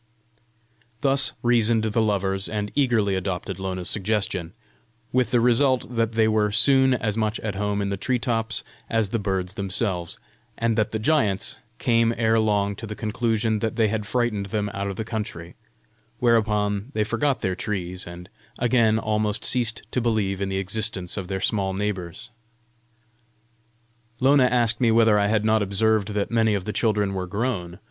Thus reasoned the Lovers, and eagerly adopted Lona's suggestion with the result that they were soon as much at home in the tree tops as the birds themselves, and that the giants came ere long to the conclusion that they had frightened them out of the country whereupon they forgot their trees, and again almost ceased to believe in the existence of their small neighbours. Lona asked me whether I had not observed that many of the children were grown.